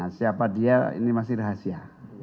siapa dia ini masih rahasia